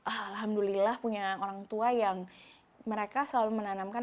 alhamdulillah punya orang tua yang mereka selalu menanamkan